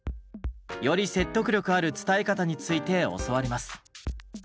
より説得力ある伝え方について教わります。